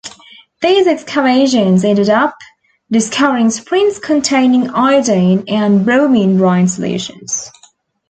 These excavations ended up discovering springs containing iodine and bromine brine solutions.